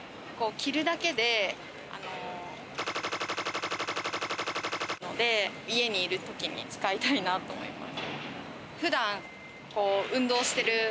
着るだけで家にいるときに使いたいなと思います。